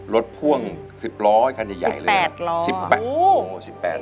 รถพ่วง๑๐ล้ออีกครั้งใหญ่เลย